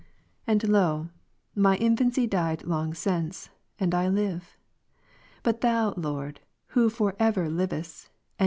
9. And, lo ! my infancy died long since, and I live. But Thou, Lord, who for ever livest, and.